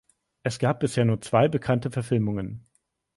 Es gab bisher nur zwei bekannte Verfilmungen.